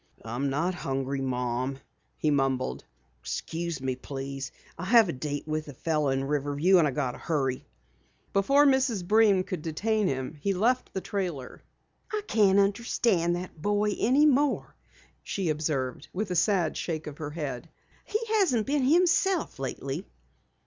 "I'm not hungry, Mom," he mumbled. "Excuse me, please. I have a date with a fellow at Riverview, and I have to hurry." Before Mrs. Breen could detain him, he left the trailer. "I can't understand that boy any more," she observed with a sad shake of her head. "He hasn't been himself lately."